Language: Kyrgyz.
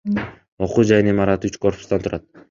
Окуу жайынын имараты үч корпустан турат.